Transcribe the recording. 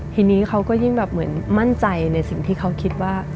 ทีนี้เขาก็ยิ่งแบบเหมือนมั่นใจในสิ่งที่เขาคิดว่า